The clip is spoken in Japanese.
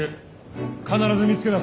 必ず見つけ出せ。